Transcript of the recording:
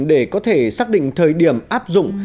để có thể xác định thời điểm áp dụng